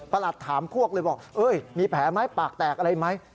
ถามพวกเลยบอกมีแผลไหมปากแตกอะไรไหม